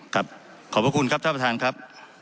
ขอบพระคุณครับท่านประธานครับ